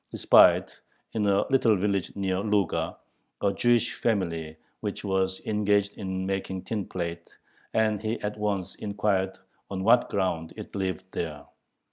espied, in a little village near Luga, a Jewish family, which was engaged in making tin plate, and he at once inquired "on what ground" it lived there.